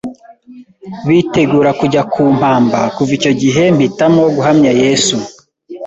bitegura kujya kumpamba kuva icyo gihe mpitamo guhamya Yesu